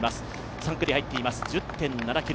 ３区に入っています、１０．７ｋｍ。